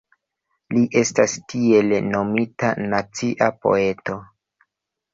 Li estas tiele nomita "nacia poeto".